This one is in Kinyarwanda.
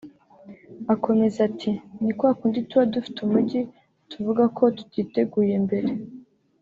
Akomeza ati” Ni kwa kundi tuba dufite umujyi tuvuga ko tutiteguye mbere